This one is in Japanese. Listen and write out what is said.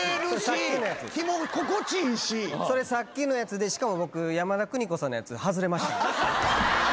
それさっきのやつでしかも僕山田邦子さんのやつ外れましたんで。